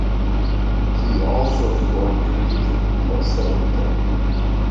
He also scored the music for some of them.